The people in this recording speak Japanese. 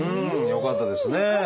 よかったです。